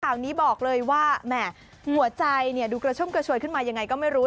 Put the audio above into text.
ข่าวนี้บอกเลยว่าแหม่หัวใจดูกระชุ่มกระชวยขึ้นมายังไงก็ไม่รู้